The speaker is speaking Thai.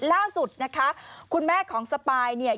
ล่าสุดนะคะคุณแม่ของสปายเนี่ย